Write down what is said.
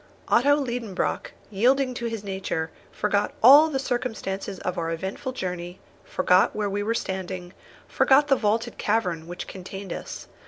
Otto Liedenbrock, yielding to his nature, forgot all the circumstances of our eventful journey, forgot where we were standing, forgot the vaulted cavern which contained us.